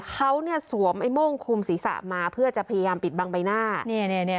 เขาเนี้ยสวมไอ้โม่งคุมศีรษะมาเพื่อจะพยายามปิดบังใบหน้าเนี่ยเนี่ยเนี่ย